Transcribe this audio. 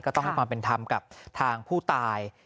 ก็ต้องรับความเป็นทำกับทางผู้ตาย